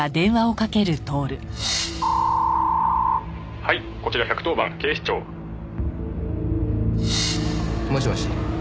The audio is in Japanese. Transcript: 「はいこちら１１０番警視庁」もしもし？